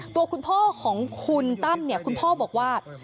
ตัวคุณพ่อของคุณตั้มเนี่ยคุณพ่อบอกว่า